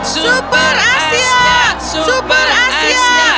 super asia super asia